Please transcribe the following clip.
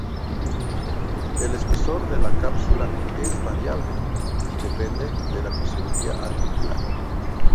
El espesor de la cápsula es variable, y depende de la fisiología articular.